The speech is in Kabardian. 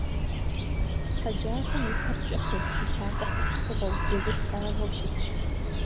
Хъэджафэм и пэр кӀыхьу, и лъакъуэхэр псыгъуэу, езыр лъагэу щытщ.